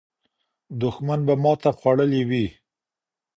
دښمن به ماته خوړلې وي.